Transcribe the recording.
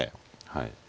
はい。